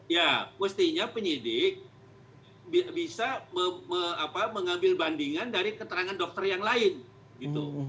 ya mestinya penyidik bisa mengambil bandingan dari keterangan dokter yang lain gitu